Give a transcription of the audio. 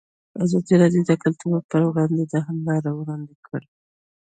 ازادي راډیو د کلتور پر وړاندې د حل لارې وړاندې کړي.